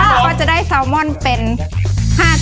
แล้วจะได้ซาวร์มอล์มอล์เป็น๕จานนะคะ